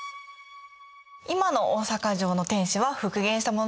今の大坂城の天守は復元したものなんですよね。